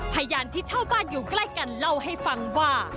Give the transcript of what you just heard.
พยานที่เช่าบ้านอยู่ใกล้กันเล่าให้ฟังว่า